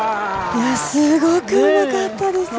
すごくうまかったです。